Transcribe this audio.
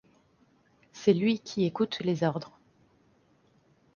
C'est lui qui écoute les ordres.